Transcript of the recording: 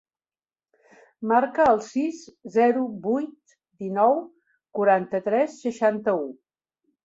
Marca el sis, zero, vuit, dinou, quaranta-tres, seixanta-u.